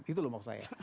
itu maksud saya